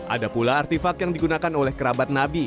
ada pula artifak yang digunakan oleh kerabat nabi